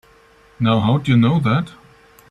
Now how'd you know that?